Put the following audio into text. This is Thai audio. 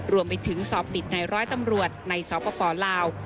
รวมไปถึงสอบติดในร้อยตำรวจในสปลาว